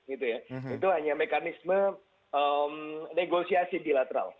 itu hanya mekanisme negosiasi bilateral